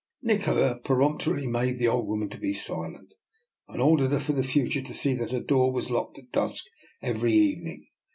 Nikola peremptorily bade the old woman be silent, and ordered her for the future to see that her door was locked at dusk every evening.